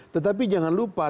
tetapi jangan lupa